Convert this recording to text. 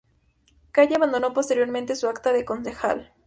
Calle abandonó posteriormente su acta de concejal.